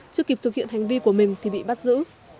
chưa kịp thực hiện hành vi của mình thì bị bắt giữ